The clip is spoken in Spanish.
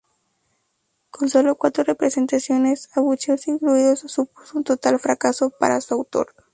Con solo cuatro representaciones, abucheos incluidos, supuso un total fracaso para su autor.